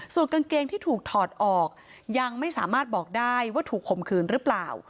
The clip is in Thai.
ส่วนกางเกงที่ถูกถอดออกยังไม่สามารถบอกได้ว่าถูกข่มขืนหรือเปล่า